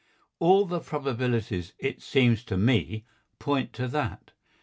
All the probabilities, it seems to me, point to that.